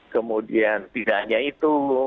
kemudian tidak hanya itu